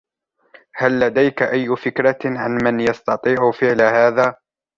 هل لديك اي فكرة عن من يستطيع فعل هذا؟